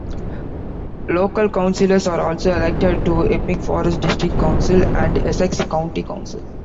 Local councillors are also elected to Epping Forest District Council and Essex County Council.